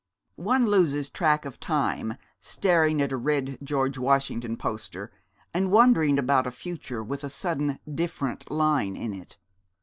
One loses track of time, staring at a red George Washington poster, and wondering about a future with a sudden Different Line in it....